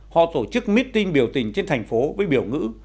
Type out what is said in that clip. họ tổ chức meeting biểu tình trên thành phố với biểu ngữ